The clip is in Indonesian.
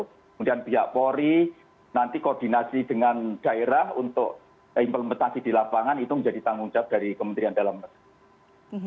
kemudian pihak polri nanti koordinasi dengan daerah untuk implementasi di lapangan itu menjadi tanggung jawab dari kementerian dalam negeri